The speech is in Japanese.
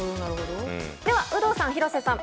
では有働さん、廣瀬さん